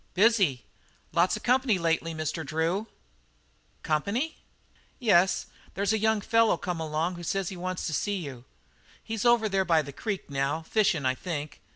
"Busy. Lots of company lately, Mr. Drew." "Company?" "Yes, there's a young feller come along who says he wants to see you. He's over there by the creek now, fishin' I think.